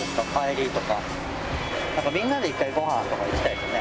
みんなで１回ご飯とか行きたいですね。